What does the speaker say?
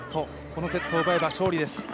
このセットを奪えば勝利です。